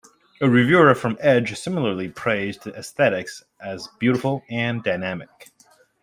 A reviewer from "Edge" similarly praised the aesthetics as "beautiful" and dynamic.